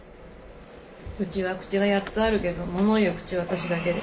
うちは口が８つあるけどものを言う口は私だけで。